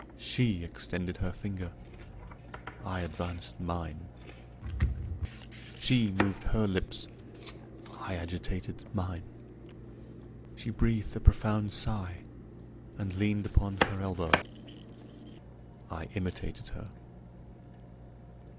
She extended her finger I advanced mine. She moved her lips I agitated mine. She breathed a profound sigh, and leaned upon her elbow. I imitated her.